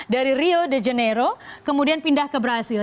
dari rio de janeiro kemudian pindah ke brazil